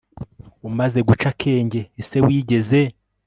umaze guca akenge ese wigeze